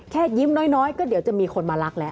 แค่ยิ้มน้อยก็เดี๋ยวจะมีคนมารักแล้ว